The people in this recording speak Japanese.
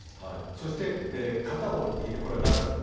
そして片方に聞いてこれ、誰のだ。